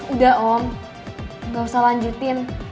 udah om gak usah lanjutin